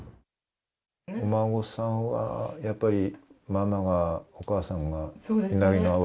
お孫さんはママが、お母さんがいないのは。